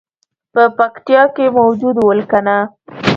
په پکتیا کې موجود ول کنه.